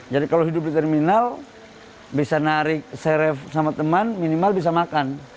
jadi kalau hidup di terminal bisa narik seref sama teman minimal bisa makan